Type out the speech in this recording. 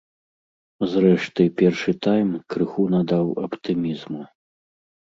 Зрэшты, першы тайм крыху надаў аптымізму.